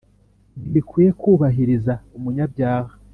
ntibikwiye kubahiriza umunyabyaha